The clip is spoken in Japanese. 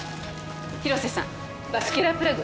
広瀬さんバスキュラープラグ。